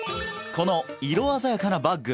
この色鮮やかなバッグ